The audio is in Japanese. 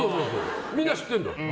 みんな知ってるよ。